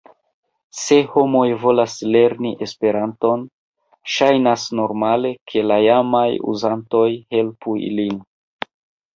Se homoj volas lerni Esperanton, ŝajnas normale, ke la jamaj uzantoj helpu ilin.